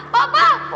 pak pak pak